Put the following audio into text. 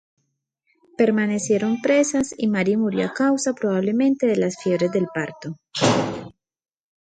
Permanecieron presas y Mary murió a causa probablemente de las fiebres del parto.